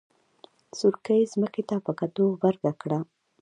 سورکي ځمکې ته په کتو غبرګه کړه.